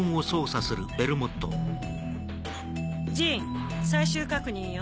ジン最終確認よ。